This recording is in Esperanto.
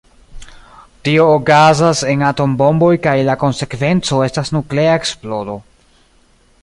Tio okazas en atombomboj kaj la konsekvenco estas nuklea eksplodo.